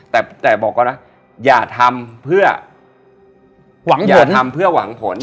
แต่แต่บอกเขานะอย่าทำเพื่อหวังผลอย่าทำเพื่อหวังผลใช่